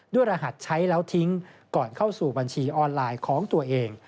รหัสใช้แล้วทิ้งก่อนเข้าสู่บัญชีออนไลน์ของตัวเอง